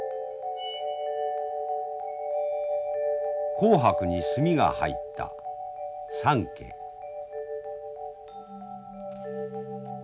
紅白に墨が入った三色。